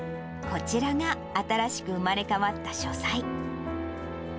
こちらが新しく生まれ変わった書斎。